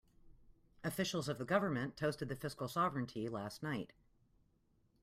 Officials of the government toasted the fiscal sovereignty last night.